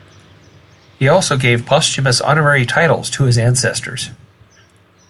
He also gave posthumous honorary titles to his ancestors.